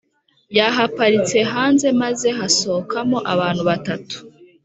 yahaparitse hanze maze hasohokamo abantu batatu